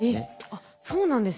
あっそうなんですね。